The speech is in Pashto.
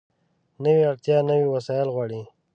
نوې اړتیا نوي وسایل غواړي